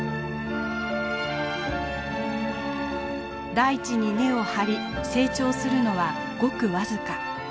大地に根を張り成長するのはごく僅か。